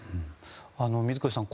水越さん